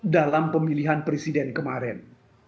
dalam pemilihan presiden kemarin